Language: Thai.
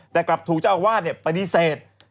แต่กลับถูกเจ้าอาวาสปฏิเสธ